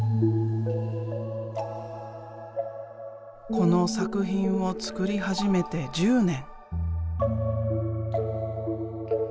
この作品を作り始めて１０年。